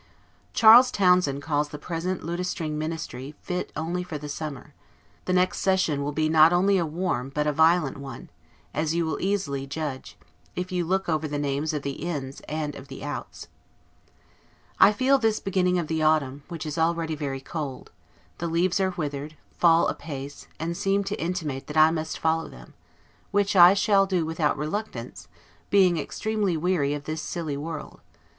Charles Townshend calls the present a Lutestring Ministry; fit only for the summer. The next session will be not only a warm, but a violent one, as you will easily judge; if you look over the names of the INS and of the OUTS. I feel this beginning of the autumn, which is already very cold: the leaves are withered, fall apace, and seem to intimate that I must follow them; which I shall do without reluctance, being extremely weary of this silly world.